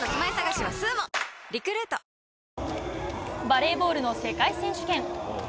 バレーボールの世界選手権。